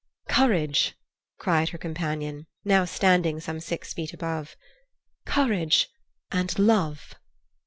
"Courage!" cried her companion, now standing some six feet above. "Courage and love."